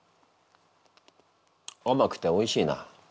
あまくておいしいな。